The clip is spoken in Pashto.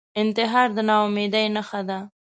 انتحار د ناامیدۍ نښه ده